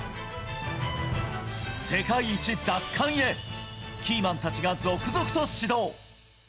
世界一奪還へ、キーマンたちが続々と始動。